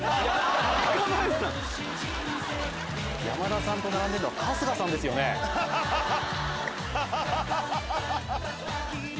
⁉山田さんと並んでるのは春日さん。ハハハハハ！